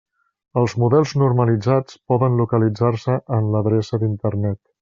Els models normalitzats poden localitzar-se en l'adreça d'internet.